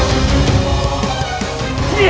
aku tak bisa